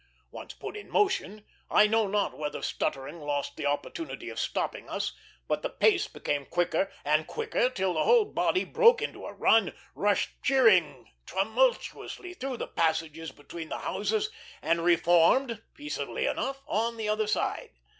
Once put in motion, I know not whether stuttering lost the opportunity of stopping us, but the pace became quicker and quicker till the whole body broke into a run, rushed cheering tumultuously through the passages between the houses, and reformed, peaceably enough, on the other side.